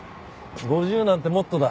５０なんてもっとだ。